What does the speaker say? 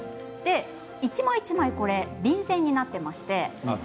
一枚一枚、便箋になっていまして。